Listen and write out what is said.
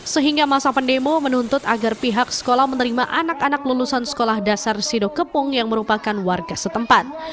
sehingga masa pendemo menuntut agar pihak sekolah menerima anak anak lulusan sekolah dasar sidokepung yang merupakan warga setempat